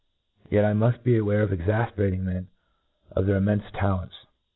Yet I muft beware of ex afperating men of their immenfe talents.